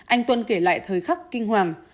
anh tuân kể lại thời khắc kinh hoàng